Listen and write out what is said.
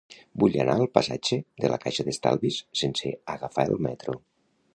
Vull anar al passatge de la Caixa d'Estalvis sense agafar el metro.